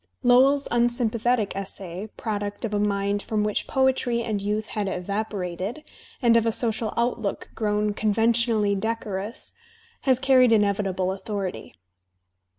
Lowell's unsympathetic essay, product of a mind from which poetry and youth had evaporated, and of a social outlook ^* grown conventionally decorous, has carried inevitable authority.